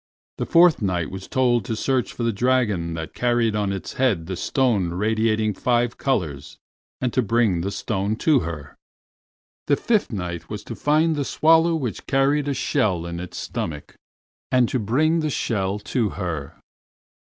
The Fourth Knight was told to search for the dragon that carried on its head the stone radiating five colors and to bring the stone to her. The Fifth Knight was to find the swallow which carried a shell in its stomach and to bring the shell to her.